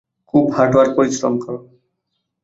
খুব হাঁটো আর পরিশ্রম কর।